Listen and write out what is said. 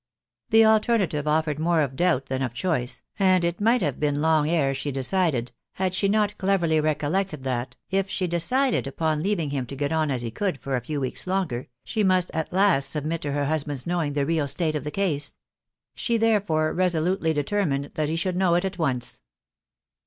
The alternative offered more of doubt than of choice, and it might have been long ere she decided, had she not cleverly recollected that, if she decided upon leaving him to get on as he could for a few weeks longer, she must at last submit to her husband's knowing the real state of the case ; she therefore resolutely determined that he should know it at once.